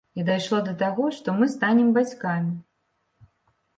І дайшло да таго, што мы станем бацькамі!